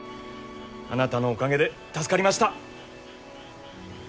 あなたのおかげで助かりました。